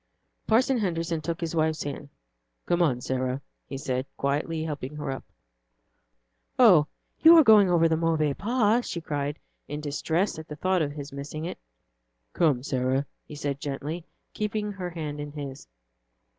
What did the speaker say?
Parson Henderson took his wife's hand. "Come, Sarah," he said, gently helping her up. "Oh, you are going over the Mauvais Pas," she cried in distress at the thought of his missing it. "Come, Sarah," he said gently, keeping her hand in his.